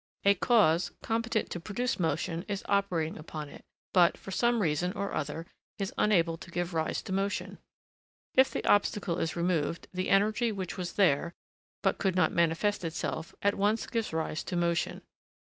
A cause competent to produce motion is operating upon it, but, for some reason or other, is unable to give rise to motion. If the obstacle is removed, the energy which was there, but could not manifest itself, at once gives rise to motion.